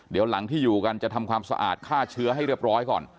เดี๋ยวหลังที่อยู่กันจะทำความสะอาดฆ่าเชื้อให้เรียบร้อยก่อน